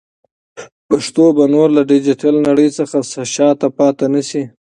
پښتو به نور له ډیجیټل نړۍ څخه شاته پاتې نشي.